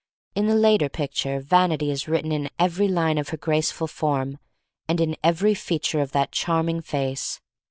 In the later picture vanity is written in every line of her graceful form and in every feature of that charming face.